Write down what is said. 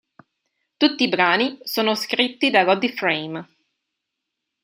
Tutti i brani sono scritti da Roddy Frame.